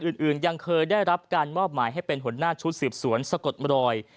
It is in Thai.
อื่นยังเคยได้รับการมอบหมายให้เป็นหัวหน้าชุดสืบสวนสะกดรอย